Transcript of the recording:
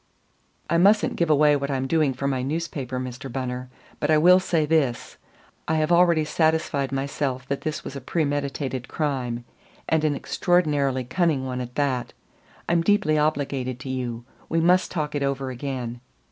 I mustn't give away what I'm doing for my newspaper, Mr. Bunner, but I will say this: I have already satisfied myself that this was a premeditated crime, and an extraordinarily cunning one at that. I'm deeply obliged to you. We must talk it over again."